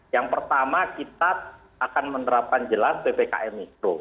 yang pertama kita akan menerapkan jelas ppkm mikro